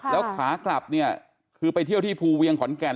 แล้วขากลับเนี่ยคือไปเที่ยวที่ภูเวียงขอนแก่น